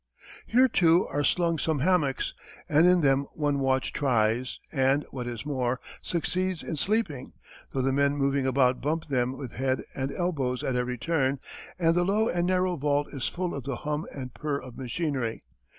Here, too, are slung some hammocks, and in them one watch tries, and, what is more, succeeds in sleeping, though the men moving about bump them with head and elbows at every turn, and the low and narrow vault is full of the hum and purr of machinery.